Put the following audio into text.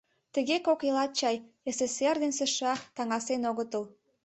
Тыге кок элат чай, СССР ден США, таҥасен огытыл.